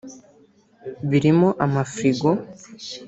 birimo ama frigo